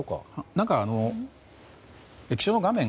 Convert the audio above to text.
何か、液晶の画面。